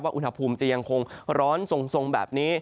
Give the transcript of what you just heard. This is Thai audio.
อุณหภูมิจะยังคงร้อนทรงแบบนี้